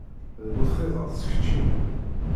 D bu txidas, keččini!